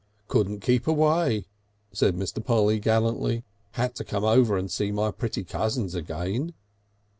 "Couldn't keep away," said Mr. Polly gallantly. "Had to come over and see my pretty cousins again."